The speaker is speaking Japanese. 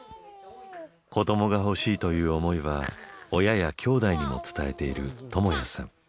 子どもが欲しいという思いは親やきょうだいにも伝えているともやさん。